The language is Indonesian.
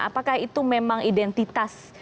apakah itu memang identitas